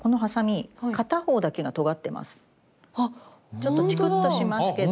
ちょっとチクッとしますけど。